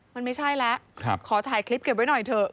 มันไม่ใช่แล้วขอถ่ายคลิปเก็บไว้หน่อยเถอะ